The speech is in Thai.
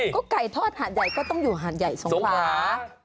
ก็ไก่ทอดหาดใหญ่ก็ต้องอยู่หาดใหญ่สงขลา